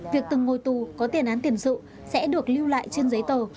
việc từng ngồi tù có tiền án tiền sự sẽ được lưu lại trên giấy tờ